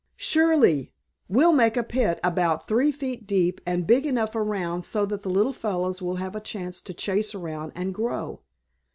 "Surely! We'll make a pit about three feet deep, and big enough around so that the little fellows will have a chance to chase around and grow.